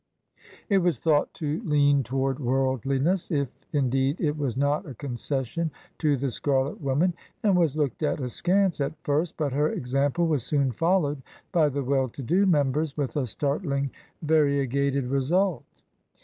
It was thought to lean toward worldliness, if indeed it was not a concession to the '' scarlet woman,'' and was looked at askance at first, but her example was soon followed by the well to do members with a startlingly variegated result.